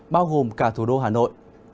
bao gồm cả thủ đô hà nội